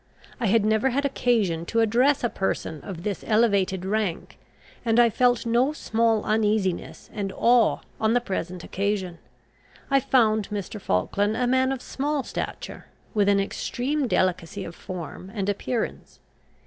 I had never had occasion to address a person of this elevated rank, and I felt no small uneasiness and awe on the present occasion. I found Mr. Falkland a man of small stature, with an extreme delicacy of form and appearance.